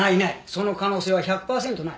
その可能性は１００パーセントない。